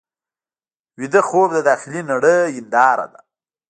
ویده خوب د داخلي نړۍ هنداره ده